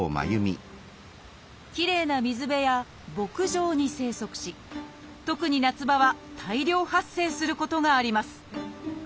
きれいな水辺や牧場に生息し特に夏場は大量発生することがあります